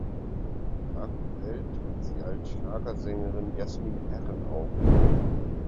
Aktuell tritt sie als Schlagersängerin "Jasmin Herren" auf.